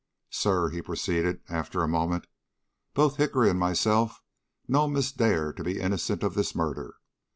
"Sir," he proceeded, after a moment, "both Hickory and myself know Miss Dare to be innocent of this murder.